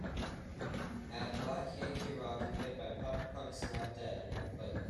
add Black Yankee Rock played by Pop Punk's Not Dead in my playlist